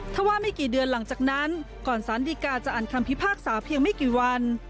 ถ้าว่าไม่กี่เดือนหลังจากนั้นก่อนสารดีกาจะอ่านคำพิพากษาเพียงไม่กี่วัน